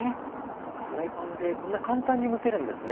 またフライパンでこんな簡単に蒸せるんですね。